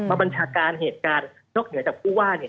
บัญชาการเหตุการณ์นอกเหนือจากผู้ว่าเนี่ย